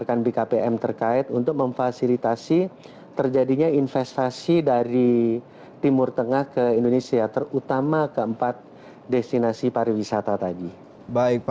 ini memang suatu langkah yang sangat penting